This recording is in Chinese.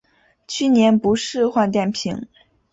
去年不是换电瓶